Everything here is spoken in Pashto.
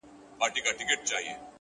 اوس دي لا د حسن مرحله راغلې نه ده _